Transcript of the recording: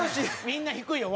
みんな低いよ。